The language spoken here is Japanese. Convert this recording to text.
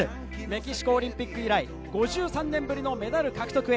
メキシコオリンピック以来、５３年ぶりのメダル獲得へ。